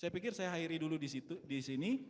saya pikir saya highri dulu di sini